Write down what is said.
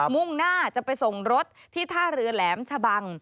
มุ่งหน้าจะไปส่งรถที่ท่าเรือแหลมชะบัง